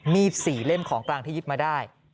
๔เล่มของกลางที่ยึดมาได้